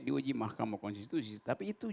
diuji mahkamah konstitusi tapi itu